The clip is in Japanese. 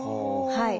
はい。